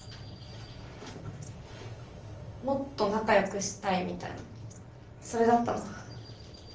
もっと仲よくしたいみたいのそれだったの？